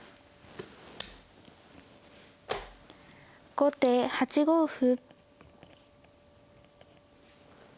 後手８五歩。